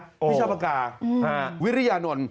วิชาปากกาวิริยานนท์